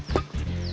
sini pak sini